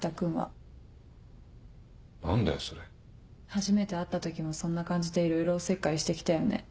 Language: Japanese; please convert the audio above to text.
初めて会った時もそんな感じでいろいろお節介して来たよね。